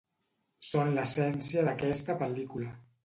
Són l'essència d'aquesta pel·lícula.